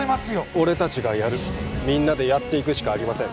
俺達がやるみんなでやっていくしかありません